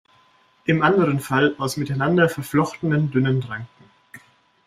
Im anderen Fall aus miteinander verflochtenen dünnen Ranken.